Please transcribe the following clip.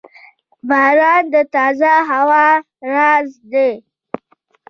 • باران د تازه هوا راز دی.